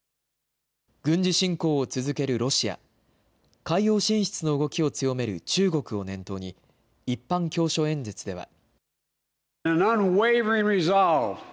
軍事侵攻を続けるロシア、海洋進出の動きを強める中国を念頭に、一般教書演説では。